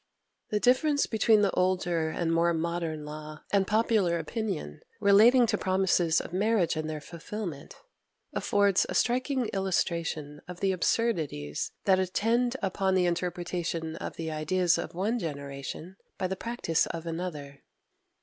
The difference between the older and more modern law, and popular opinion, relating to promises of marriage and their fulfilment, affords a striking illustration of the absurdities that attend upon the interpretation of the ideas of one generation by the practice of another.